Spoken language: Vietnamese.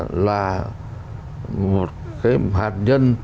tuy nhiên là một cái hạt nhân tươi nhỏ nhỏ như thế